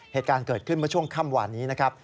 เหตุการณ์เกิดขึ้นเมื่อช่วงค่ำหวานนี้นะครับ